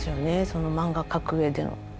その漫画描くうえでの。